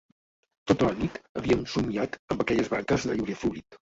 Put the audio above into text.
Tota la nit havíem somniat amb aquelles branques de llorer florit.